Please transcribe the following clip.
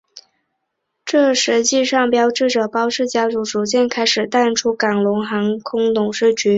这实际上标志着包氏家族逐渐开始淡出港龙航空董事局。